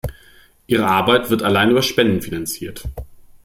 Ihre Arbeit wird allein über Spenden finanziert.